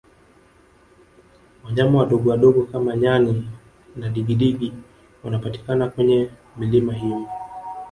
wanyama wadogowadogo kama nyani na digidigi wanapatikana kwenye milima hiyo